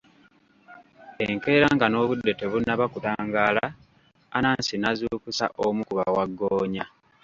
Enkeera nga n'obudde tebunnaba kutangaala, Anansi n'azuukusa omu ku bawaggoonya .